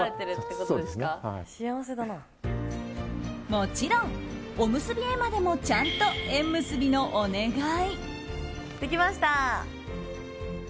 もちろん、おむすび絵馬でもちゃんと縁結びのお願い。